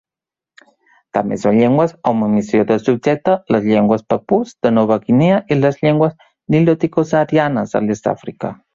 També són llengües amb omissió de subjecte les llengües papús de Nova Guinea i les llengües niloticosaharianes de l'est d'Àfrica.